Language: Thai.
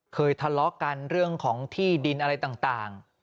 ทะเลาะกันเรื่องของที่ดินอะไรต่าง